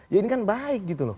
ya ini kan baik gitu loh